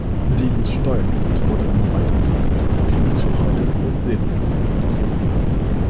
Dieses Steuergerät wurde immer weiterentwickelt und befindet sich auch heute noch in Serienproduktion.